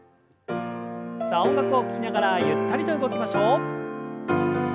さあ音楽を聞きながらゆったりと動きましょう。